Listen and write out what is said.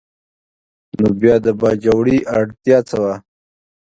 نو بیا د باجوړي اړتیا څه وه؟